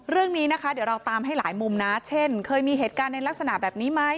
เรื่องนี้นะคะเดี๋ยวเราตามให้หลายมุมนะเช่นเคยมีเหตุการณ์ในลักษณะแบบนี้ไหม